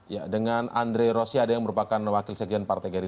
ya dengan andre rosyade yang merupakan wakil sekian partai geri